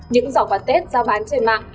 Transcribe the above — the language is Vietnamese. những giỏ quà tết giao bán trên mạng